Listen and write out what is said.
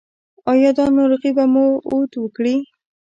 ایا دا ناروغي به بیا عود وکړي؟